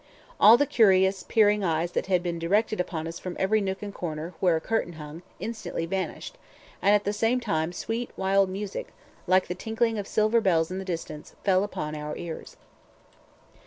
All the curious, peering eyes that had been directed upon us from every nook and corner where a curtain hung, instantly vanished; and at the same time sweet, wild music, like the tinkling of silver bells in the distance, fell upon our ears.